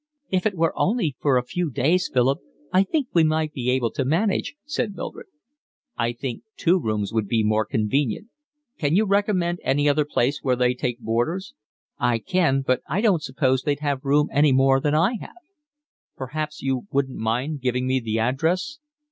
"If it were only for a few days, Philip, I think we might be able to manage," said Mildred. "I think two rooms would be more convenient. Can you recommend any other place where they take boarders?" "I can, but I don't suppose they'd have room any more than I have." "Perhaps you wouldn't mind giving me the address."